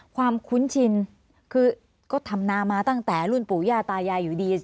คุ้นชินคือก็ทำนามาตั้งแต่รุ่นปู่ย่าตายายอยู่ดี